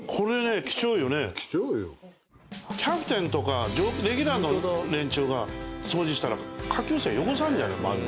坂井さん：キャプテンとかレギュラーの連中が掃除したら下級生は汚さんじゃない、まず。